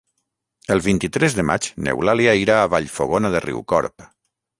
El vint-i-tres de maig n'Eulàlia irà a Vallfogona de Riucorb.